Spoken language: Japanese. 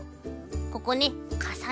ここねかさねて。